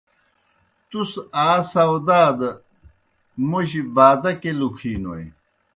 تُس آ ساؤدا دہ موجیْ بادا کیْہ لُکِھینوئے۔